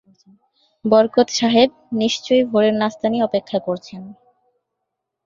বরকত সাহেব নিশ্চয়ই ভোরের নাশতা নিয়ে অপেক্ষা করছেন।